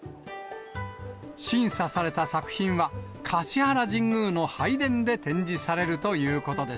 審査された作品は、橿原神宮の拝殿で展示されるということです。